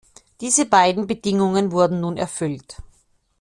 Diese beiden Bedingungen wurden nun erfüllt.